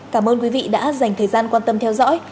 cảm ơn quý vị đã dành thời gian quan tâm theo dõi